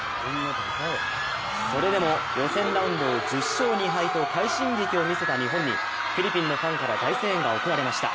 それでも予選ラウンドを１０勝２敗と快進撃をみせた日本にフィリピンのファンから大声援が送られました。